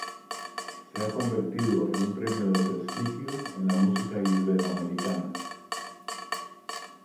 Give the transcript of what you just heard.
Se ha convertido en un premio de prestigio en la música iberoamericana.